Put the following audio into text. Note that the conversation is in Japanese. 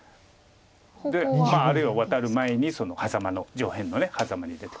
であるいはワタる前にハザマの上辺のハザマに出て。